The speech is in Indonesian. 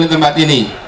di tempat ini